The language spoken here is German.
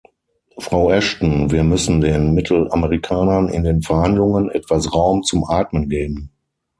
Frau Ashton, wir müssen den Mittelamerikanern in den Verhandlungen etwas Raum zum Atmen geben.